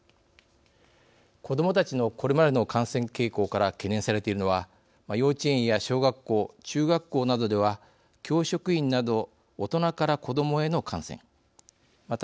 子どもたちのこれまでの感染傾向から懸念されているのは幼稚園や小学校、中学校などでは教職員など大人から子どもへの感染また